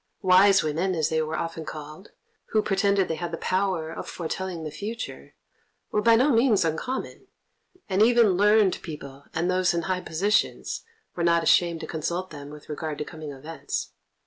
"Wise women," as they were often called, who pretended they had the power of foretelling the future, were by no means uncommon, and even learned people and those in high positions were not ashamed to consult them with regard to coming events.